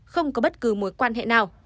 không có bất cứ mối quan hệ nào